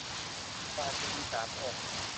ด่านเจดีย์สามองค์